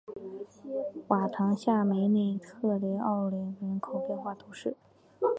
瓦唐下梅内特雷奥勒人口变化图示